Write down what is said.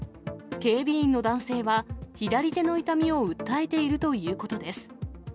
警備員の男性は左手の痛みを訴えているということです。